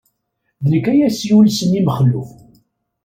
D nekk ay as-yulsen i Mexluf.